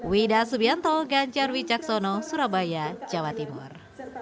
widah subianto ganjar wicaksono surabaya jawa timur